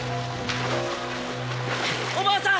おばあさん